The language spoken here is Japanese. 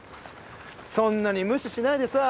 そんなに無視しないでさ